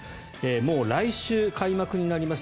もう来週開幕になります